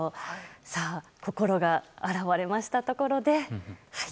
さあ、心が洗われましたところで。